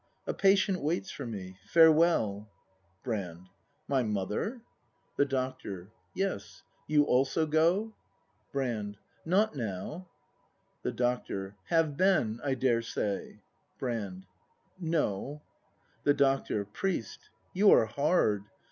A patient waits for me. Farewell. Brand, My mother ? ACT in] BRAND HI The Doctor. Yes. You also go? Not now. Brand. The Doctor. Have been, I daresay? Brand. No. The Doctor. Priest, you are hard.